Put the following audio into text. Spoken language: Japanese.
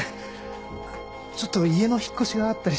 ちょっと家の引っ越しがあったりして。